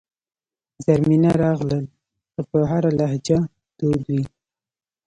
زرمینه راغلل که په هره لهجه دود وي.